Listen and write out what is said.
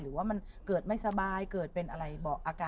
หรือว่ามันเกิดไม่สบายเกิดเป็นอะไรเกิดเป็นเรื่องของมัน